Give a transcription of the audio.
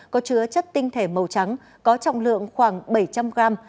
có chứa chất tinh thể màu trắng có trọng lượng khoảng bảy trăm linh gram